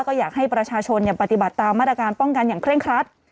ก็อยากให้ประชาชนปฏิบัติตามมาตรการป้องกันอย่างเคร่งครัด